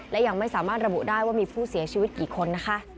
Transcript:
และยังไม่สามารถระบุได้ว่ามีผู้เสียชีวิตกี่คนนะคะ